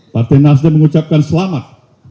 partai nasdem mengucapkan selamat